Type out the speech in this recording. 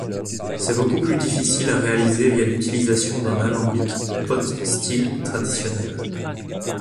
C’est beaucoup plus difficile à réaliser via l’utilisation d’un alambic ‘pot still’ traditionnel.